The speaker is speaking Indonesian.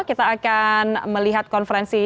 kita akan melihat konferensi